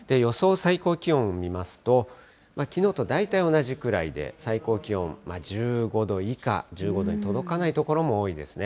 最高気温を見ますと、きのうと大体同じくらいで最高気温１５度以下、１５度に届かない所も多いですね。